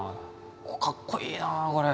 かっこいいなこれ。